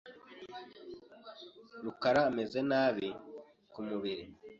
rukaraameze nabi kumubiri.